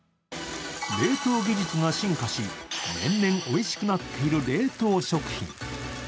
冷凍技術が進化し、年々おいしくなっている冷凍食品。